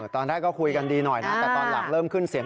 ตอนแรกก็คุยกันดีหน่อยนะแต่ตอนหลังเริ่มขึ้นเสียง